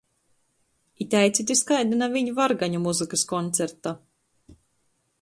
I teicit iz kaida naviņ vargaņu muzykys koncerta!